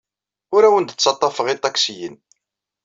Ur awen-d-ttaḍḍafeɣ iṭaksiyen.